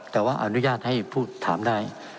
แต่ว่าอนุญาตให้พูดถามได้